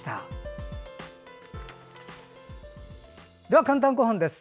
では「かんたんごはん」です。